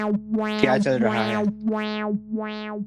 क्या चल रहा हैं?